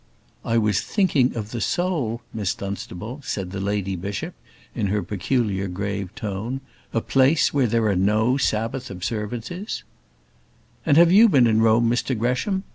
"I was thinking of the soul, Miss Dunstable," said the lady bishop, in her peculiar, grave tone. "A place where there are no Sabbath observances " "And have you been in Rome, Mr Gresham?"